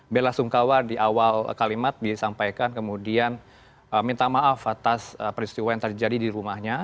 bela sungkawa di awal kalimat disampaikan kemudian minta maaf atas peristiwa yang terjadi di rumahnya